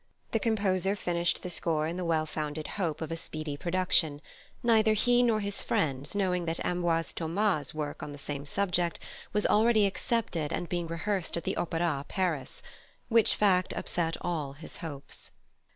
The composer finished the score in the well founded hope of a speedy production, neither he nor his friends knowing that Ambroise Thomas's work on the same subject was already accepted and being rehearsed at the Opéra, Paris, which fact upset all his hopes.